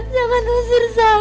jangan usir saya